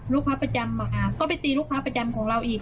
ลูกค้าประจำอะค่ะก็ไปตีลูกค้าประจำของเราอีก